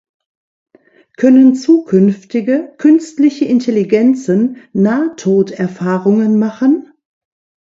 Können zukünftige künstliche Intelligenzen Nahtoderfahrungen machen?